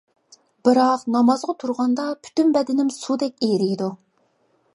بىراق نامازغا تۇرغاندا پۈتۈن بەدىنىم سۇدەك ئېرىيدۇ.